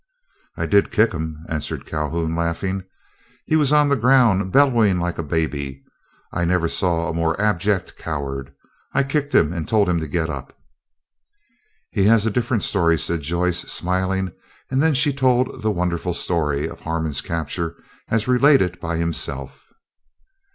"I did kick him," answered Calhoun, laughing; "he was on the ground bellowing like a baby. I never saw a more abject coward. I kicked him and told him to get up." "He has a different story," said Joyce, smiling; and then she told the wonderful story of Harmon's capture as related by himself.